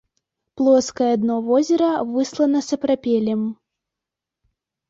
Плоскае дно возера выслана сапрапелем.